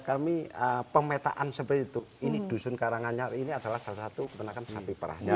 kami pemetaan seperti itu ini dusun karanganyar ini adalah salah satu peternakan sapi perahnya